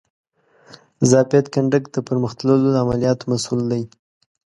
ضابط کنډک د پرمخ تللو د عملیاتو مسؤول دی.